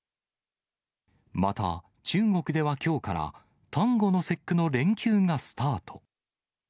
また、中国ではきょうから、端午の節句の連休がスタート。